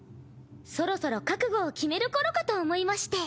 そろそろ覚悟を決める頃かと思いまして。